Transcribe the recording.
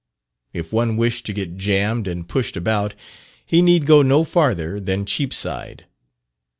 If one wished to get jammed and pushed about, he need go no farther than Cheapside.